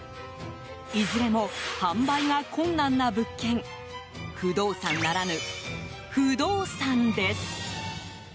いずれも販売が困難な物件不動産ならぬ負動産です。